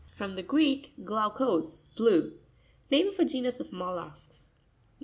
—From the Greek, glaukos, blue. Name ofa genus of mollusks (page 66).